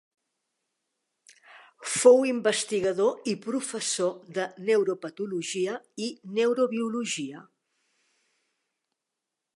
Fou investigador i professor de neuropatologia i neurobiologia.